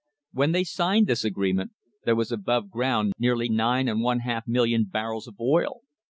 When they signed this agreement there was above ground nearly nine and one half million barrels of oil.